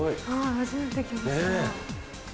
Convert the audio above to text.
初めて来ました。ねぇ。